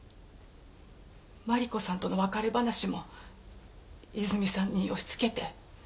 万里子さんとの別れ話もいずみさんに押し付けて。